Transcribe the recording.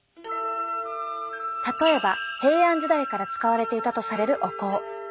例えば平安時代から使われていたとされるお香。